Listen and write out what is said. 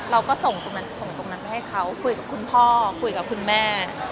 เราก็ส่งตรงนั้นไปให้เขาคุยกับคุณพ่อคุยกับคุณแม่